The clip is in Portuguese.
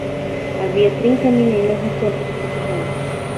Havia trinta meninas no campo de futebol.